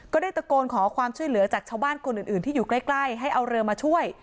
ก็ได้ตะโกนขอความช่วยเหลือจากชาวบ้านคนอื่นที่อยู่ใกล้ให้เอาเรือมาช่วย